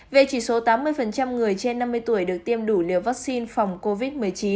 về chỉ số tám mươi người trên năm mươi tuổi được tiêm đủ liều vaccine phòng covid một mươi chín